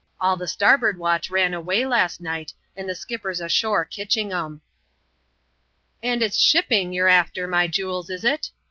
All the starboard watch ran away last night, and the skipper's ashore kitching 'em." " And it's shippingljer after, my jewels, is it